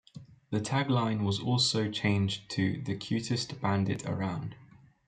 The tagline was also changed to "The Cutest Bandit Around".